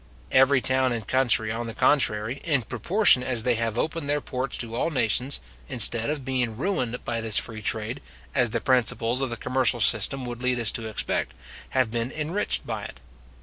Every town and country, on the contrary, in proportion as they have opened their ports to all nations, instead of being ruined by this free trade, as the principles of the commercial system would lead us to expect, have been enriched by it.